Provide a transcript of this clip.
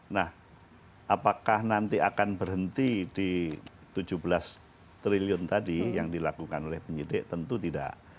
nah apakah nanti akan berhenti di tujuh belas triliun tadi yang dilakukan oleh penyidik tentu tidak